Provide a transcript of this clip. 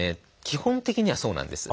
基本的にはそうなんです。